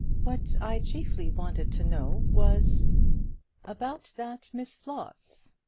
What I chiefly wanted to know was " "About that Miss Floss?"